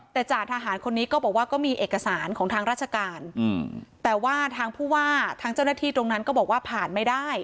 แต่จ่าทหารคนนี้ก็บอกว่าก็มีเอกสารของทางราชการแต่ว่าทางผู้ว่าทางเจ้าหน้าที่ตรงนั้นก็บอกว่าผ่านไม่ได้